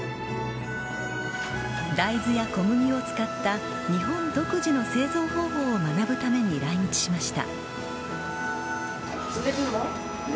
大豆や小麦を使った日本独自の製造方法を学ぶために来日しました。